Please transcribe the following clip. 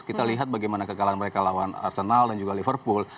kita lihat bagaimana kekalahan mereka lawan arsenal dan juga liverpool